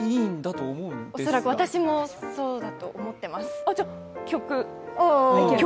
恐らく私もそうだと思っています。